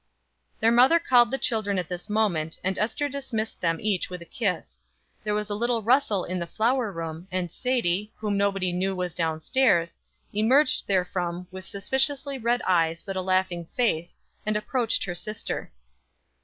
Their mother called the children at this moment, and Ester dismissed them each with a kiss. There was a little rustle in the flour room, and Sadie, whom nobody knew was down stairs, emerged therefrom with suspiciously red eyes but a laughing face, and approached her sister.